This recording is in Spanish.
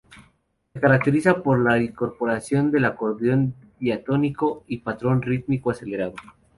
Se caracteriza por la incorporación del acordeón diatónico y un patrón rítmico acelerado.